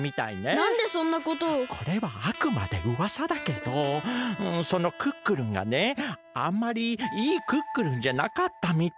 これはあくまでうわさだけどそのクックルンがねあんまりいいクックルンじゃなかったみたい。